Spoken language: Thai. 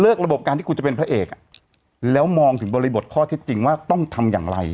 ระบบการที่คุณจะเป็นพระเอกอ่ะแล้วมองถึงบริบทข้อเท็จจริงว่าต้องทำอย่างไร